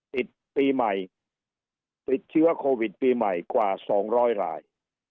ปีใหม่ติดเชื้อโควิดปีใหม่กว่า๒๐๐ราย